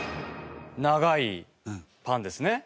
長いパンですね。